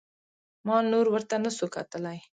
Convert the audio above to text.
ما نور ورته نسو کتلى.